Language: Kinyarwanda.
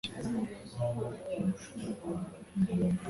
Nyamasheke kwa Rwabugili Kagano Cyangugu Nyamasheke